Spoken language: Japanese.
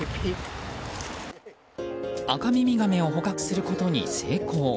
アカミミガメを捕獲することに成功。